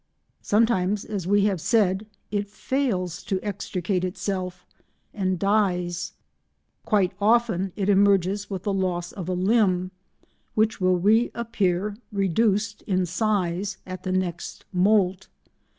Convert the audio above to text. Sometimes, as we have said, it fails to extricate itself and dies; quite often it emerges with the loss of a limb, which will reappear—reduced in size—at the next moult.